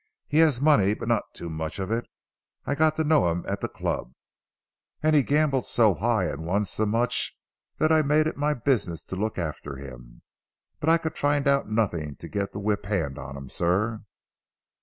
He has money but not too much of it. I got to know him at the club, and he gambled so high and won so much that I made it my business to look after him. But I could find out nothing to get the whip hand of him, sir."